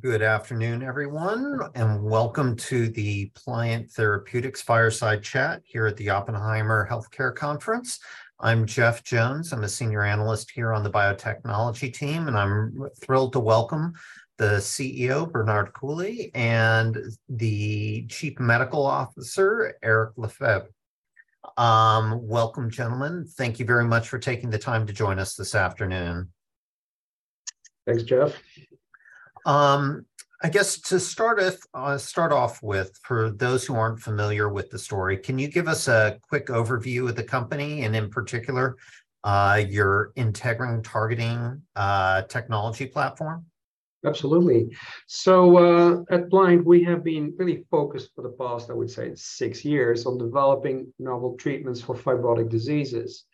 Good afternoon, everyone, and welcome to the Pliant Therapeutics Fireside Chat here at the Oppenheimer Healthcare Conference. I'm Jeff Jones. I'm a Senior Analyst here on the Biotechnology team, and I'm thrilled to welcome the CEO, Bernard Coulie, and the Chief Medical Officer, Éric Lefebvre. Welcome, gentlemen. Thank you very much for taking the time to join us this afternoon. Thanks, Jeff. To start off with, for those who aren't familiar with the story, can you give us a quick overview of the company, and in particular, your integrin targeting technology platform? Absolutely. At Pliant, we have been really focused for the past, I would say, six years on developing novel treatments for fibrotic diseases.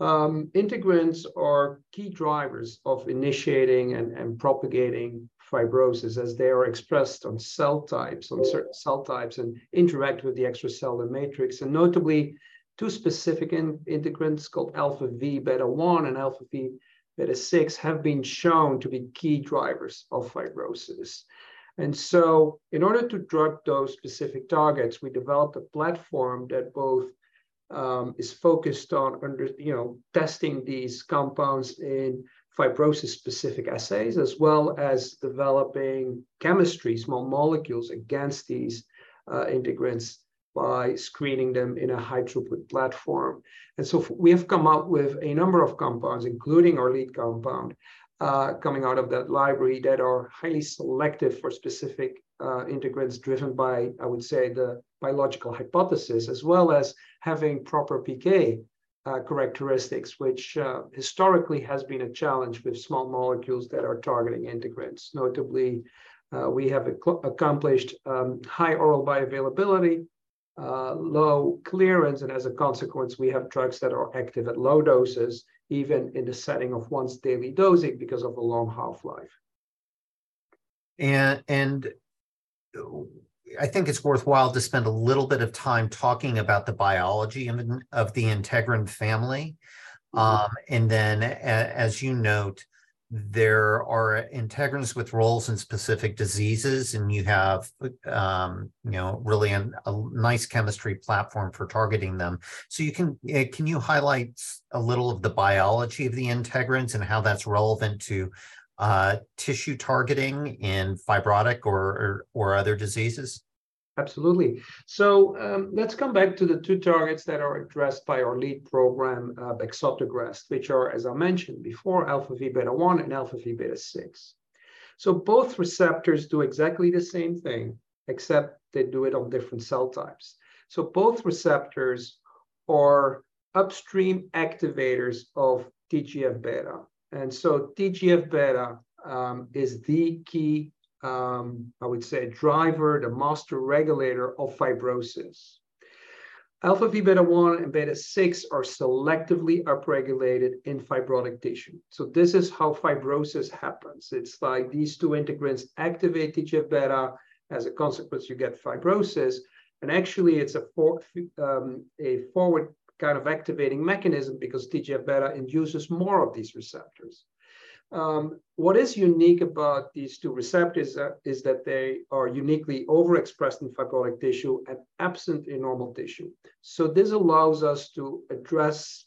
Integrins are key drivers of initiating and propagating fibrosis as they are expressed on certain cell types and interact with the extracellular matrix. Notably, two specific integrins called αvβ1 and αvβ6 have been shown to be key drivers of fibrosis. In order to drug those specific targets, we developed a platform that both is focused on, you know, testing these compounds in fibrosis-specific assays, as well as developing chemistries, small molecules against these integrins by screening them in a high throughput platform. We have come out with a number of compounds, including our lead compound, coming out of that library that are highly selective for specific integrins driven by, I would say, the biological hypothesis, as well as having proper PK characteristics, which historically has been a challenge with small molecules that are targeting integrins. Notably, we have accomplished high oral bioavailability, low clearance, and as a consequence, we have drugs that are active at low doses, even in the setting of once-daily dosing because of a long half-life. I think it's worthwhile to spend a little bit of time talking about the biology of the integrin family. Mm-hmm. As you note, there are integrins with roles in specific diseases, and you have, you know, really an, a nice chemistry platform for targeting them. You can you highlight a little of the biology of the integrins and how that's relevant to, tissue targeting in fibrotic or other diseases? Absolutely. Let's come back to the two targets that are addressed by our lead program, bexotegrast, which are, as I mentioned before, αvβ1 and αvβ6. Both receptors do exactly the same thing, except they do it on different cell types. Both receptors are upstream activators of TGF-β. TGF-β is the key, I would say, driver, the master regulator of fibrosis. αvβ1 and β6 are selectively upregulated in fibrotic tissue. This is how fibrosis happens. It's like these two integrins activate TGF-β. As a consequence, you get fibrosis, and actually, it's a forward kind of activating mechanism because TGF-β induces more of these receptors. What is unique about these two receptors are that they are uniquely overexpressed in fibrotic tissue and absent in normal tissue. This allows us to address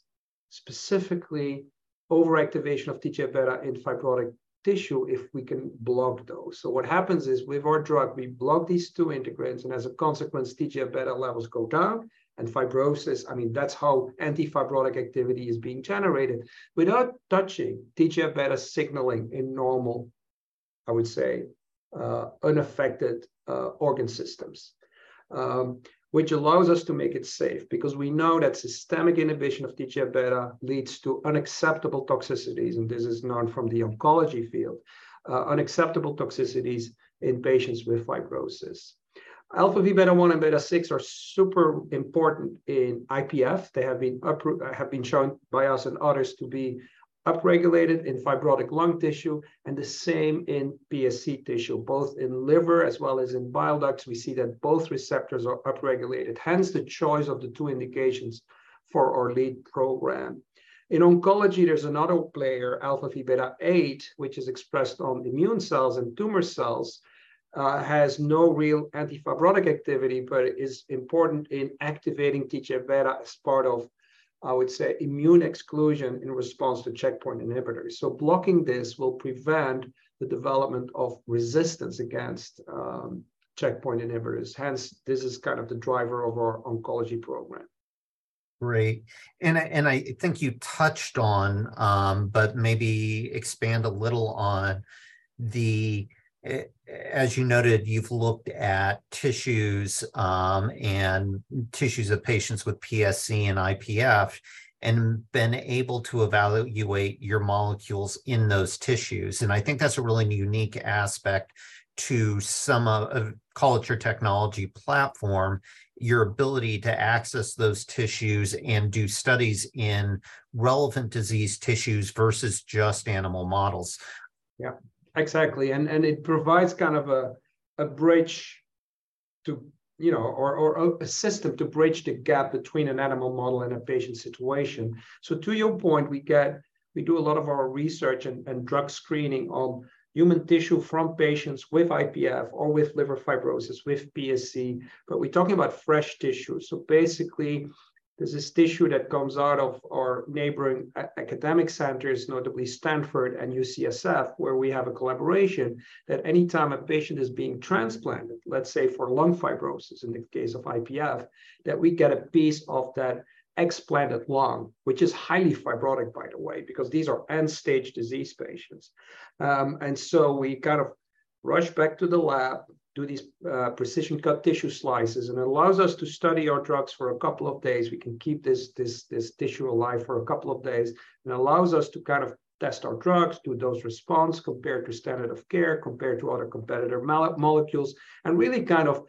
specifically overactivation of TGF-β in fibrotic tissue if we can block those. What happens is, with our drug, we block these two integrins, and as a consequence, TGF-β levels go down, and fibrosis. I mean, that's how anti-fibrotic activity is being generated without touching TGF-β signaling in normal, I would say, unaffected, organ systems, which allows us to make it safe because we know that systemic inhibition of TGF-β leads to unacceptable toxicities, and this is known from the oncology field, unacceptable toxicities in patients with fibrosis. αvβ1 and β6 are super important in IPF. They have been shown by us and others to be upregulated in fibrotic lung tissue, and the same in PSC tissue. Both in liver as well as in bile ducts, we see that both receptors are upregulated, hence the choice of the two indications for our lead program. In oncology, there's another player, αvβ8, which is expressed on immune cells and tumor cells. Has no real anti-fibrotic activity, but it is important in activating TGF-β as part of, I would say, immune exclusion in response to checkpoint inhibitors. Blocking this will prevent the development of resistance against checkpoint inhibitors. This is kind of the driver of our oncology program. Great, I think you touched on, but maybe expand a little on the, as you noted, you've looked at tissues, and tissues of patients with PSC and IPF and been able to evaluate your molecules in those tissues. I think that's a really unique aspect to some of call it your technology platform, your ability to access those tissues and do studies in relevant diseased tissues versus just animal models. Yeah, exactly. It provides kind of a bridge to, you know, a system to bridge the gap between an animal model and a patient situation. To your point, we do a lot of our research and drug screening on human tissue from patients with IPF or with liver fibrosis, with PSC, but we're talking about fresh tissue. Basically, there's this tissue that comes out of our neighboring academic centers, notably Stanford and UCSF, where we have a collaboration that anytime a patient is being transplanted, let's say for lung fibrosis in the case of IPF, that we get a piece of that explanted lung, which is highly fibrotic, by the way, because these are end-stage disease patients. We kind of rush back to the lab, do these precision-cut tissue slices, and it allows us to study our drugs for a couple of days. We can keep this tissue alive for a couple of days, and allows us to kind of test our drugs, do those response compared to standard of care, compared to other competitor molecules, and really kind of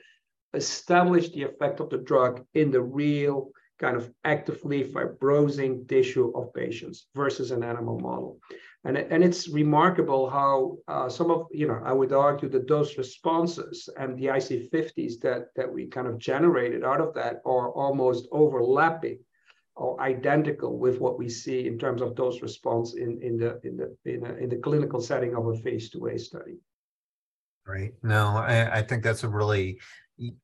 establish the effect of the drug in the real kind of actively fibrosing tissue of patients versus an animal model. It's remarkable how some of, you know, I would argue the dose responses and the IC50s that we kind of generated out of that are almost overlapping or identical with what we see in terms of dose response in the clinical setting of a Phase II-A study. Right. No, I think that's a really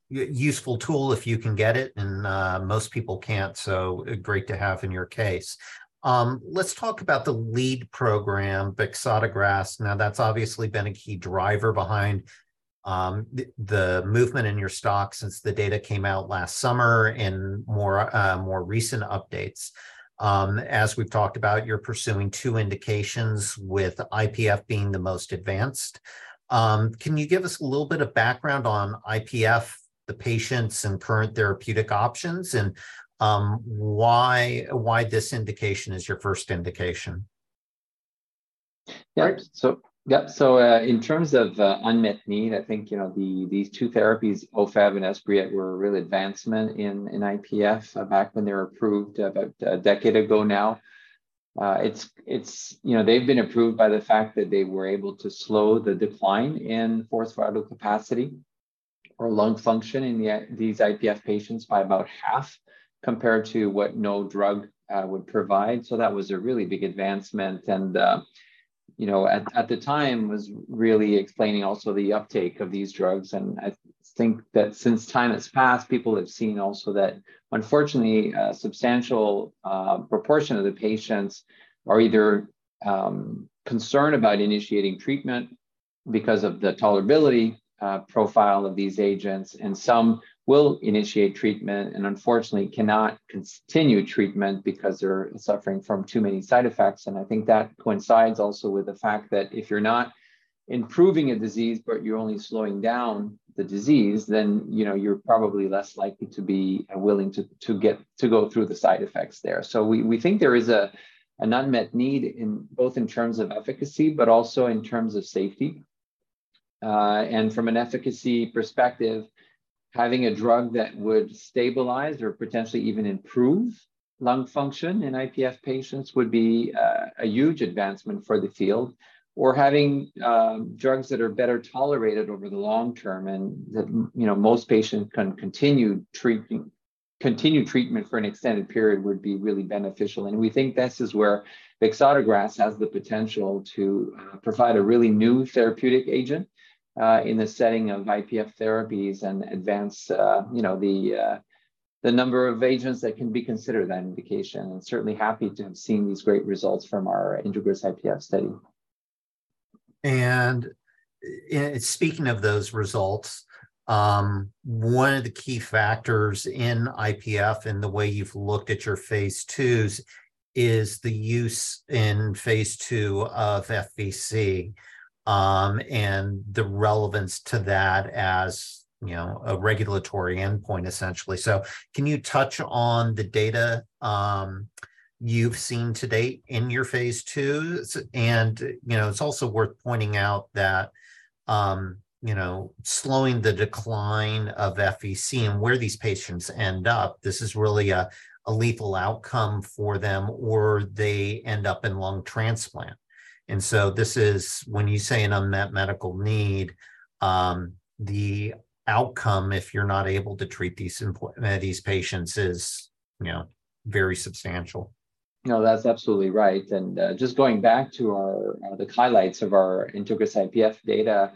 useful tool if you can get it, and most people can't, so great to have in your case. Let's talk about the lead program, bexotegrast. That's obviously been a key driver behind the movement in your stock since the data came out last summer in more recent updates. As we've talked about, you're pursuing two indications with IPF being the most advanced. Can you give us a little bit of background on IPF, the patients, and current therapeutic options, and why this indication is your first indication? Yeah. Yeah. In terms of unmet need, I think, you know, these two therapies, Ofev and Esbriet, were a real advancement in IPF, back when they were approved about 10 years ago now. It's, you know, they've been approved by the fact that they were able to slow the decline in forced vital capacity or lung function in these IPF patients by about half compared to what no drug would provide. That was a really big advancement, and, you know, at the time was really explaining also the uptake of these drugs. I think that since time has passed, people have seen also that unfortunately, a substantial proportion of the patients are either concerned about initiating treatment because of the tolerability profile of these agents, and some will initiate treatment and unfortunately cannot continue treatment because they're suffering from too many side effects. I think that coincides also with the fact that if you're not improving a disease, but you're only slowing down the disease, then, you know, you're probably less likely to be willing to get to go through the side effects there. We think there is an unmet need in both in terms of efficacy, but also in terms of safety. From an efficacy perspective, having a drug that would stabilize or potentially even improve lung function in IPF patients would be a huge advancement for the field, or having, you know, drugs that are better tolerated over the long term and that most patients can continue treatment for an extended period would be really beneficial. We think this is where bexotegrast has the potential to provide a really new therapeutic agent in the setting of IPF therapies and advance, you know, the number of agents that can be considered that indication. Certainly happy to have seen these great results from our INTEGRIS-IPF study. Speaking of those results, one of the key factors in IPF and the way you've looked at your phase IIs is the use in phase II of FVC, and the relevance to that as, you know, a regulatory endpoint, essentially. Can you touch on the data you've seen to date in your phase II? You know, it's also worth pointing out that, you know, slowing the decline of FVC and where these patients end up, this is really a lethal outcome for them, or they end up in lung transplant. This is when you say an unmet medical need, the outcome, if you're not able to treat these patients is, you know, very substantial. No, that's absolutely right. Just going back to the highlights of our INTEGRIS-IPF data,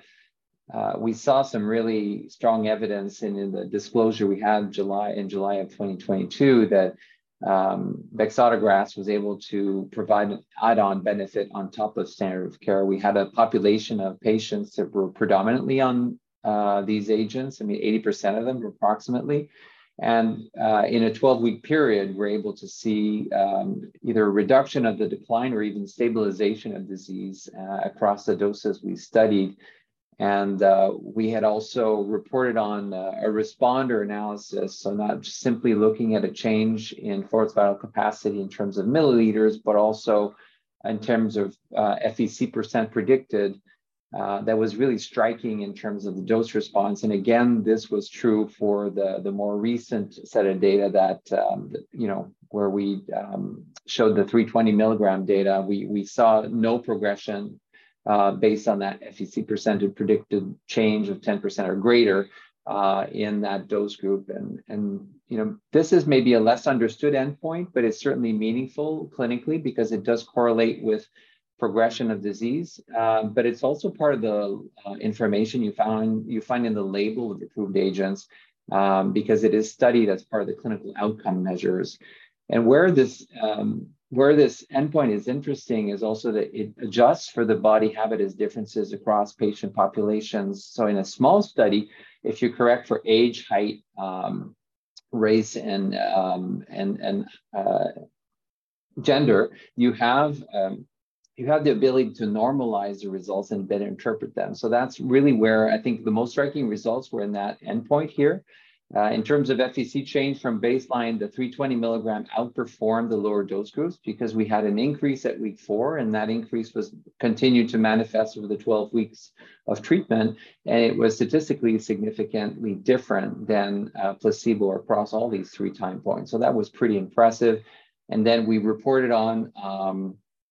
we saw some really strong evidence in the disclosure we had in July of 2022 that bexotegrast was able to provide an add-on benefit on top of standard of care. We had a population of patients that were predominantly on these agents. I mean, 80% of them, approximately. In a 12-week period, we're able to see either a reduction of the decline or even stabilization of disease across the doses we studied. We had also reported on a responder analysis. Not just simply looking at a change in forced vital capacity in terms of milliliters, but also in terms of FVC percent predicted. That was really striking in terms of the dose response, and again, this was true for the more recent set of data that, you know, where we showed the 320 mg data. We saw no progression based on that FVC percent of predicted change of 10% or greater in that dose group. You know, this is maybe a less understood endpoint, but it's certainly meaningful clinically because it does correlate with progression of disease. But it's also part of the information you find in the label of approved agents because it is studied as part of the clinical outcome measures. Where this, where this endpoint is interesting is also that it adjusts for the body habitus differences across patient populations. In a small study, if you correct for age, height, race, and gender, you have the ability to normalize the results and better interpret them. That's really where I think the most striking results were in that endpoint here. In terms of FVC change from baseline, the 320 mg outperformed the lower dose groups because we had an increase at week four, and that increase continued to manifest over the 12 weeks of treatment. It was statistically significantly different than placebo across all these three time points. That was pretty impressive. We reported on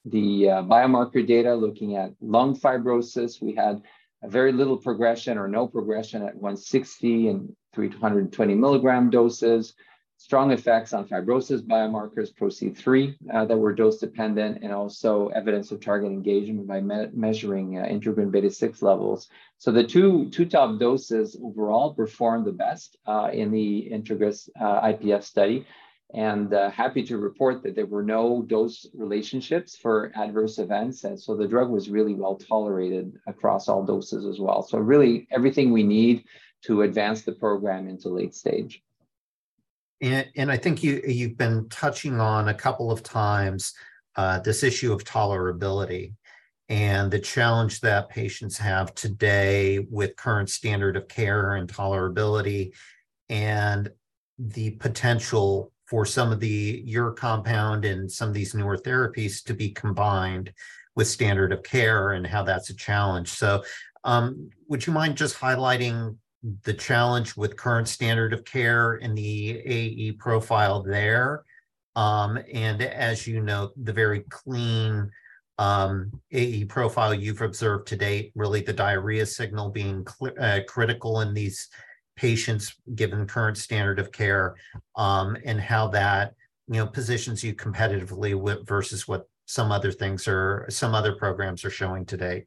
the biomarker data looking at lung fibrosis. We had a very little progression or no progression at 160 mg and 320 mg doses. Strong effects on fibrosis biomarkers, PRO-C3, that were dose-dependent, and also evidence of target engagement by measuring integrin β6 levels. The two top doses overall performed the best in the INTEGRIS-IPF study. Happy to report that there were no dose relationships for adverse events, the drug was really well-tolerated across all doses as well. Really everything we need to advance the program into late stage. I think you've been touching on a couple of times, this issue of tolerability and the challenge that patients have today with current standard of care and tolerability and the potential for your compound and some of these newer therapies to be combined with standard of care and how that's a challenge. Would you mind just highlighting the challenge with current standard of care in the AE profile there? As you know, the very clean AE profile you've observed to date, really the diarrhea signal being critical in these patients given current standard of care, and how that, you know, positions you competitively versus what some other things or some other programs are showing today.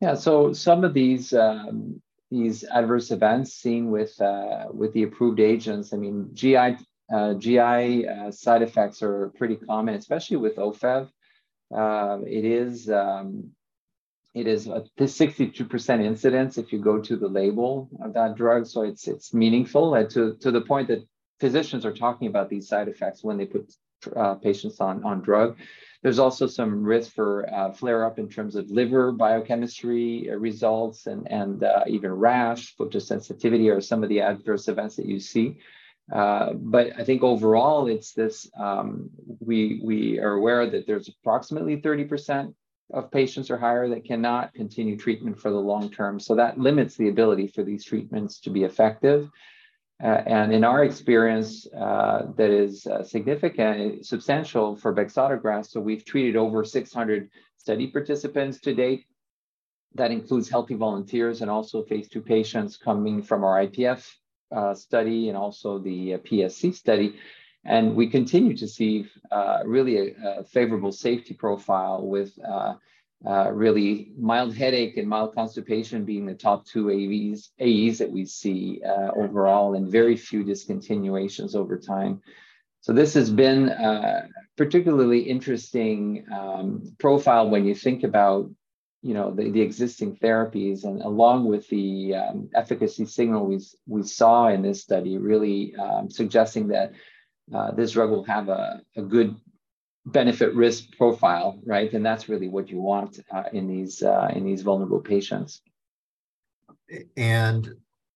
Yeah. Some of these Adverse Events seen with the approved agents, I mean, GI side effects are pretty common, especially with Ofev. It is, it is this 62% incidence if you go to the label of that drug, so it's meaningful. To the point that physicians are talking about these side effects when they put patients on drug. There's also some risk for flare-up in terms of liver biochemistry results and even rash, photosensitivity or some of the Adverse Events that you see. I think overall, it's this, we are aware that there's approximately 30% of patients or higher that cannot continue treatment for the long term, so that limits the ability for these treatments to be effective. In our experience, that is significant, substantial for bexotegrast. We've treated over 600 study participants to date. That includes healthy volunteers and also phase II patients coming from our IPF study and also the PSC study. We continue to see really a favorable safety profile with really mild headache and mild constipation being the top two AEs that we see overall and very few discontinuations over time. This has been a particularly interesting profile when you think about, you know, the existing therapies and along with the efficacy signal we saw in this study really suggesting that this drug will have a good benefit risk profile, right? That's really what you want in these vulnerable patients.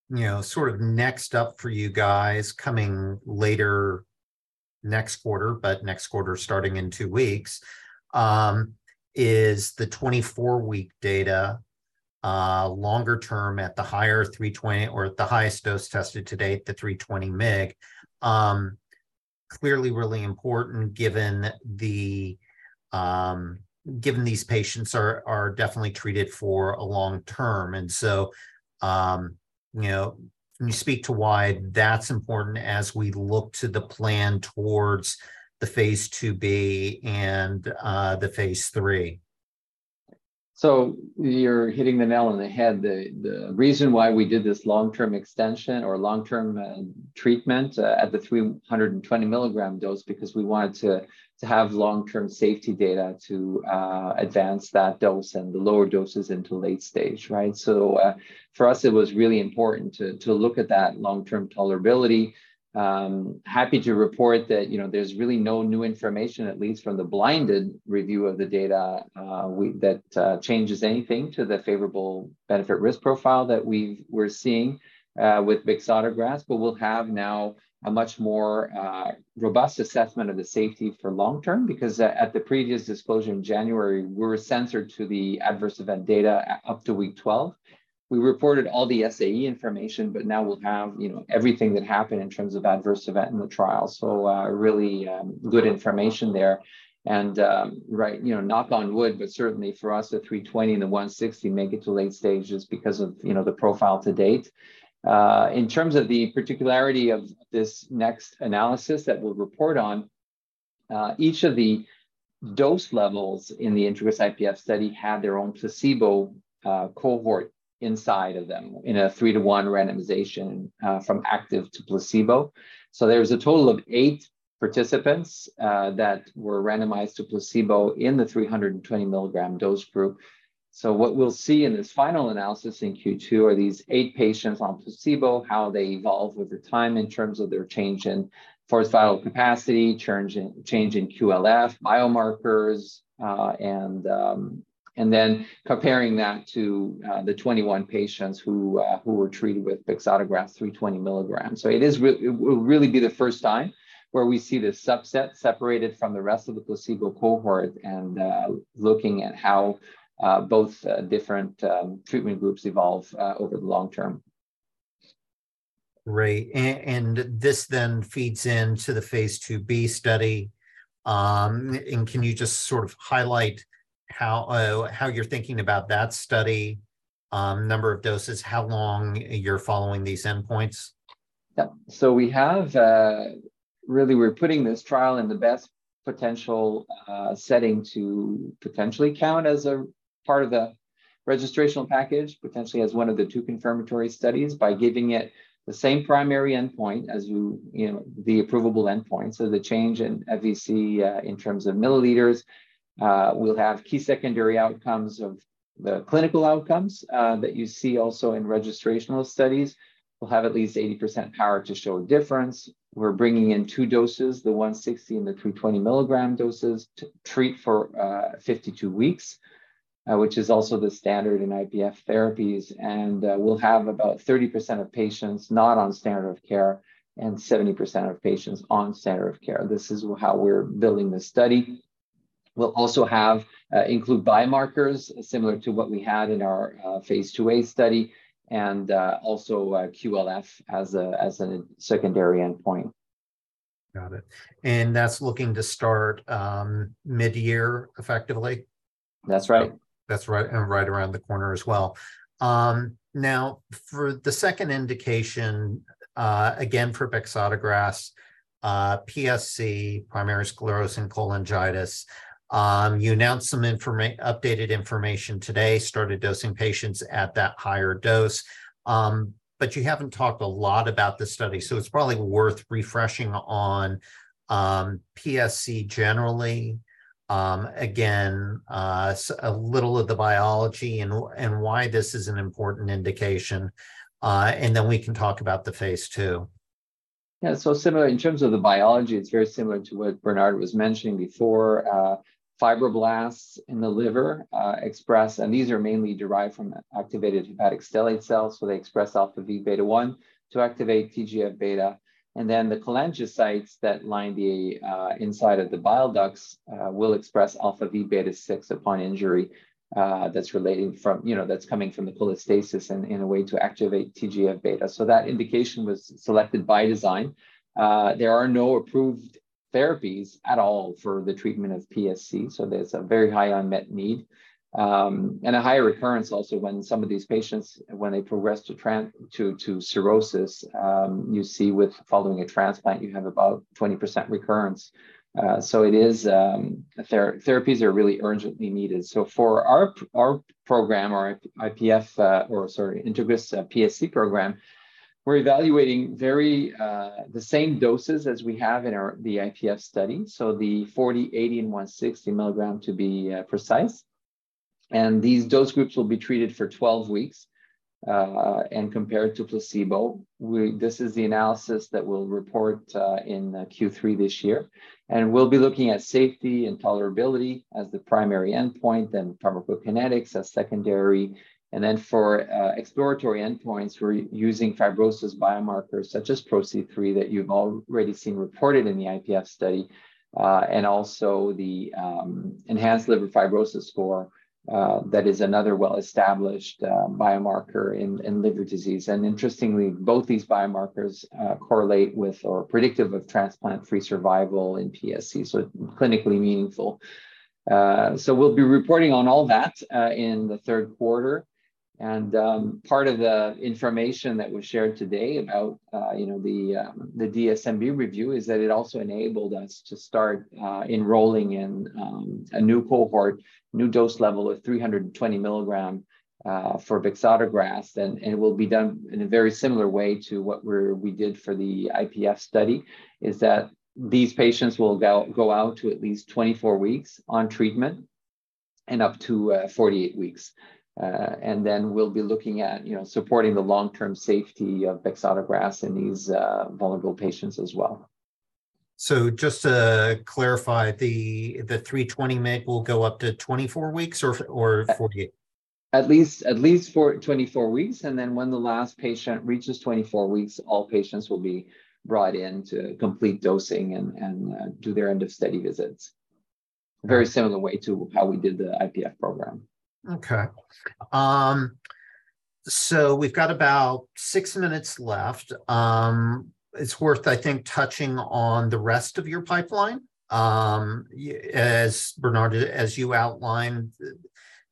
You know, sort of next up for you guys coming later next quarter, but next quarter starting in two weeks, is the 24-week data, longer term at the higher 320 or at the highest dose tested to date, the 320 mg. Clearly really important given the given these patients are definitely treated for a long term. You know, can you speak to why that's important as we look to the plan towards the phase II-B and the phase III? You're hitting the nail on the head. The reason why we did this long-term extension or long-term treatment at the 320 mg dose because we wanted to have long-term safety data to advance that dose and the lower doses into late stage, right? For us, it was really important to look at that long-term tolerability. Happy to report that, you know, there's really no new information, at least from the blinded review of the data, that changes anything to the favorable benefit risk profile that we're seeing with bexotegrast. We'll have now a much more robust assessment of the safety for long term, because at the previous disclosure in January, we were censored to the adverse event data up to week 12. We reported all the SAE information, but now we'll have, you know, everything that happened in terms of adverse event in the trial. Really good information there. Right, you know, knock on wood, but certainly for us, the 320 and the 160 make it to late stages because of, you know, the profile to date. In terms of the particularity of this next analysis that we'll report on, each of the dose levels in the INTEGRIS-IPF study had their own placebo cohort inside of them in a 3-to-1 randomization from active to placebo. There's a total of eight participants that were randomized to placebo in the 320 mg dose group. What we'll see in this final analysis in Q2 are these eight patients on placebo, how they evolve over time in terms of their change in forced vital capacity, change in QLF biomarkers, and then comparing that to the 21 patients who were treated with bexotegrast 320 mg. It will really be the first time where we see this subset separated from the rest of the placebo cohort and looking at how both different treatment groups evolve over the long term. Right. This then feeds into the Phase II-A study. Can you just sort of highlight how you're thinking about that study, number of doses, how long you're following these endpoints? Yeah. Really we're putting this trial in the best potential setting to potentially count as a part of the registrational package, potentially as one of the two confirmatory studies, by giving it the same primary endpoint as you know, the approvable endpoint. The change in FVC in terms of milliliters. We'll have key secondary outcomes of the clinical outcomes that you see also in registrational studies. We'll have at least 80% power to show a difference. We're bringing in two doses, the 160 mg and the 320 mg doses, to treat for 52 weeks, which is also the standard in IPF therapies. We'll have about 30% of patients not on standard of care, and 70% of patients on standard of care. This is how we're building this study. We'll also have include biomarkers similar to what we had in our phase II-A study, and also QLF as a secondary endpoint. Got it. That's looking to start, mid-year effectively? That's right. That's right. Right around the corner as well. Now for the second indication, again, for bexotegrast, PSC, primary sclerosing cholangitis, you announced some updated information today, started dosing patients at that higher dose. You haven't talked a lot about the study, so it's probably worth refreshing on PSC generally. Again, a little of the biology and why this is an important indication, and then we can talk about the phase II. Yeah. In terms of the biology, it's very similar to what Bernard Coulie was mentioning before. Fibroblasts in the liver express, and these are mainly derived from activated hepatic stellate cells, they express αvβ1 to activate TGF-β. The cholangiocytes that line the inside of the bile ducts will express αvβ6 upon injury, you know, that's coming from the cholestasis in a way to activate TGF-β. That indication was selected by design. There are no approved therapies at all for the treatment of PSC, there's a very high unmet need, and a higher recurrence also when some of these patients, when they progress to cirrhosis, you see with following a transplant, you have about 20% recurrence. It is, therapies are really urgently needed. For our program, our IPF, or sorry, INTEGRIS-PSC program, we're evaluating very the same doses as we have in our, the IPF study, so the 40, 80, and 160 mg to be precise, and these dose groups will be treated for 12 weeks and compared to placebo. This is the analysis that we'll report in Q3 this year, we'll be looking at safety and tolerability as the primary endpoint, then pharmacokinetics as secondary. For exploratory endpoints, we're using fibrosis biomarkers such as PRO-C3 that you've already seen reported in the IPF study, and also the Enhanced Liver Fibrosis score that is another well-established biomarker in liver disease. Interestingly, both these biomarkers correlate with or are predictive of transplant-free survival in PSC, so clinically meaningful. We'll be reporting on all that in the third quarter. Part of the information that we've shared today about, you know, the DSMB review is that it also enabled us to start enrolling in a new cohort, new dose level of 320 mg for bexotegrast. It will be done in a very similar way to what we did for the IPF study, is that these patients will go out to at least 24 weeks on treatment and up to 48 weeks. We'll be looking at, you know, supporting the long-term safety of bexotegrast in these vulnerable patients as well. Just to clarify, the 320 mg will go up to 24 weeks or 48? At least for 24 weeks, and then when the last patient reaches 24 weeks, all patients will be brought in to complete dosing and do their end of study visits. Very similar way to how we did the IPF program. Okay. We've got about six minutes left. It's worth, I think, touching on the rest of your pipeline. As Bernard Coulie, as you outlined,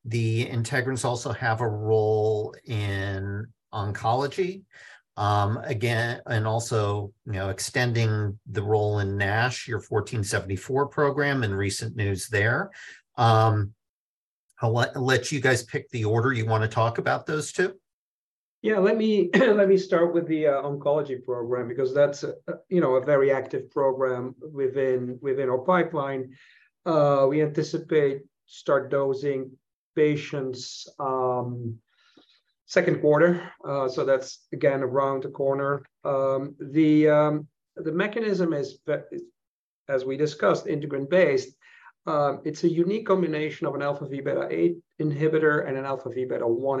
the integrins also have a role in Oncology. Again, also, you know, extending the role in NASH, your PLN-1474 program and recent news there. I'll let you guys pick the order you wanna talk about those two. Yeah, let me start with the oncology program because that's, you know, a very active program within our pipeline. We anticipate start dosing patients second quarter. That's again around the corner. The mechanism is, as we discussed, integrin-based. It's a unique combination of an αvβ8 inhibitor and an αvβ1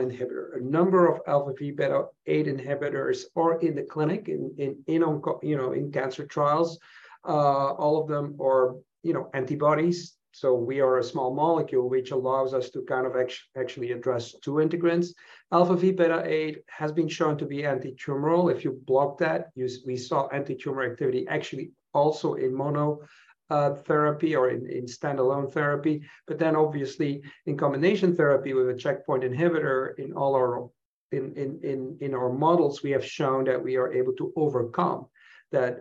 inhibitor. A number of αvβ8 inhibitors are in the clinic in, you know, in cancer trials. All of them are, you know, antibodies, we are a small molecule, which allows us to kind of actually address two integrins. αvβ8 has been shown to be anti-tumoral. If you block that, we saw anti-tumor activity actually also in mono therapy or in standalone therapy. Obviously, in combination therapy with a checkpoint inhibitor in all our models, we have shown that we are able to overcome that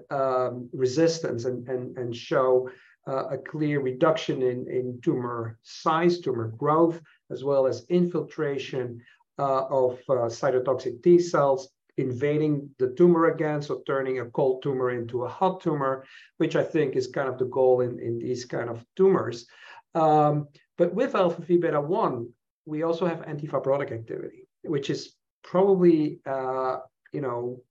resistance and show a clear reduction in tumor size, tumor growth, as well as infiltration of cytotoxic T-cells invading the tumor again, so turning a cold tumor into a hot tumor, which I think is kind of the goal in these kind of tumors. With αvβ1, we also have anti-fibrotic activity, which is probably, you know,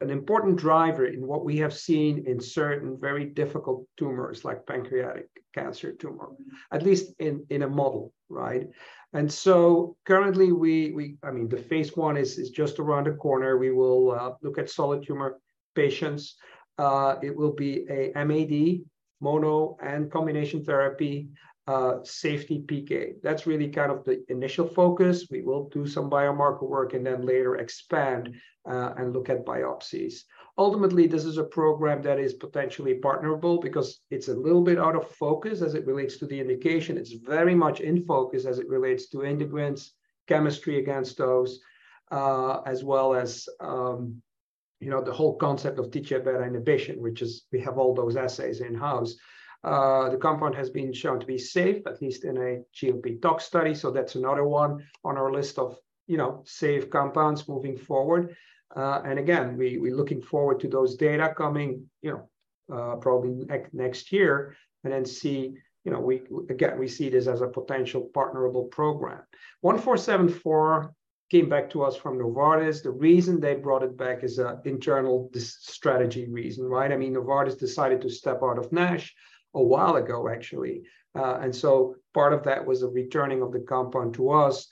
an important driver in what we have seen in certain very difficult tumors like pancreatic cancer tumor, at least in a model, right? Currently we, I mean, the phase I is just around the corner. We will look at solid tumor patients. It will be a MAD mono and combination therapy, safety PK. That's really kind of the initial focus. We will do some biomarker work and then later expand and look at biopsies. Ultimately, this is a program that is potentially partnerable because it's a little bit out of focus as it relates to the indication. It's very much in focus as it relates to integrins, chemistry against those, as well as, you know, the whole concept of TGF-β inhibition, which is, we have all those assays in-house. The compound has been shown to be safe, at least in a GLP toxicology study, so that's another one on our list of, you know, safe compounds moving forward. And again, we're looking forward to those data coming, you know, probably next year and then see, you know. We see this as a potential partnerable program. 1474 came back to us from Novartis. The reason they brought it back is a internal dis- strategy reason, right? I mean, Novartis decided to step out of NASH a while ago, actually. Part of that was a returning of the compound to us.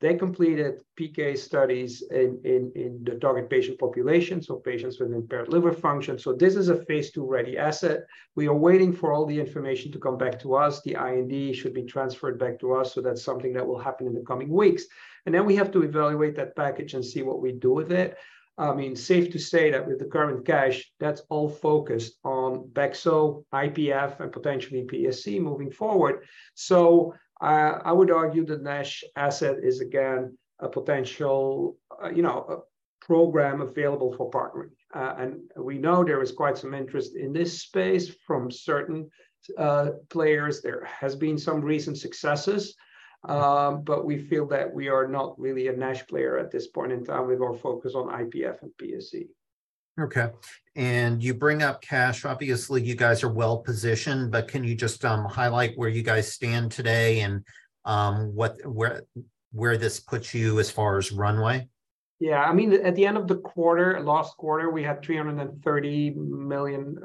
They completed PK studies in the target patient population, so patients with impaired liver function. This is a phase II ready asset. We are waiting for all the information to come back to us. The IND should be transferred back to us, so that's something that will happen in the coming weeks. Then we have to evaluate that package and see what we do with it. I mean, safe to say that with the current cash, that's all focused on bexo, IPF, and potentially PSC moving forward. I would argue the NASH asset is, again, a potential, you know, a program available for partnering. We know there is quite some interest in this space from certain players. There has been some recent successes, but we feel that we are not really a NASH player at this point in time. We're more focused on IPF and PSC. Okay. You bring up cash. Obviously, you guys are well-positioned, but can you just highlight where you guys stand today and what, where this puts you as far as runway? Yeah. I mean, at the end of the quarter, last quarter, we had $330 million,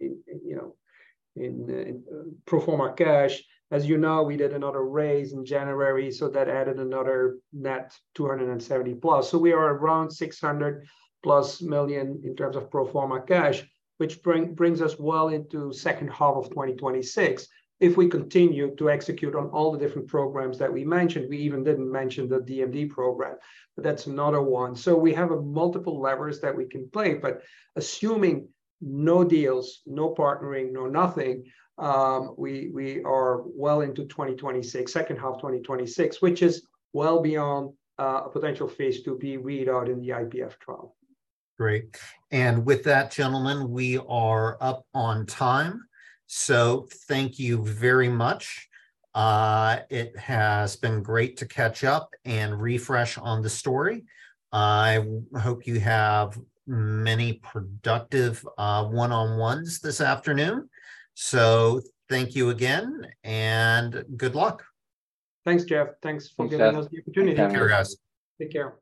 you know, in pro forma cash. As you know, we did another raise in January, that added another net $270+. We are around $600+ million in terms of pro forma cash, which brings us well into second half of 2026 if we continue to execute on all the different programs that we mentioned. We even didn't mention the DMD program. That's another one. We have a multiple levers that we can play, assuming no deals, no partnering, no nothing, we are well into 2026, second half 2026, which is well beyond a potential phase II-B readout in the IPF trial. Great. With that, gentlemen, we are up on time. Thank you very much. It has been great to catch up and refresh on the story. I hope you have many productive, one-on-ones this afternoon. Thank you again, and good luck. Thanks, Jeff. Thanks for giving us the opportunity. Thanks, Jeff. Take care, guys. Take care.